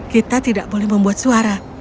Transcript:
kita tidak boleh membuat suara